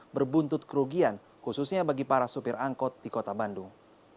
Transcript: berbuntut kerugian khususnya bagi para supir angkot di kota bandung